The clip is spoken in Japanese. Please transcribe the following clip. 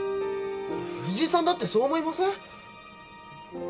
藤井さんだってそう思いません？